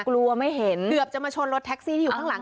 กลัวไม่เห็นเกือบจะมาชนรถแท็กซี่ที่อยู่ข้างหลัง